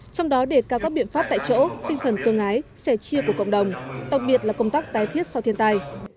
trong đó đề cao các biện pháp tại chỗ tinh thần tương ái sẻ chia của cộng đồng đặc biệt là công tác tái thiết sau thiên tai